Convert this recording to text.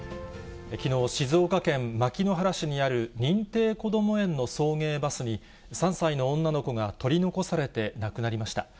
きのう、静岡県牧之原市にある認定こども園の送迎バスに、３歳の女の子が取り残されて亡くなりました。